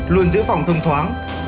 luôn giữ phòng thông thoáng